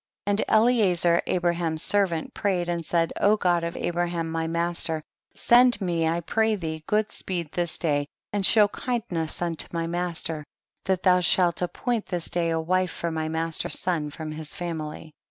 36. And Eliezer, Abraham's ser vant, prayed and said, God of Abraham my master ; send me I pray thee good speed this day and show kindness unto my master, that thou shall appoint this day a wife for my master's son fi'om his family.